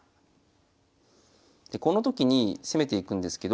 でこの時に攻めていくんですけど。